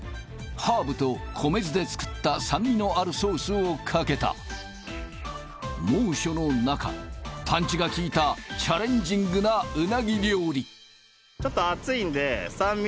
ハーブと米酢で作った酸味のあるソースをかけた猛暑の中パンチが利いたチャレンジングなウナギ料理